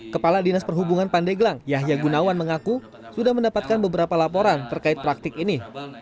kepala dinas perhubungan pandeglang yahya gunawan mengaku sudah mendapatkan beberapa laporan terkait praktik ini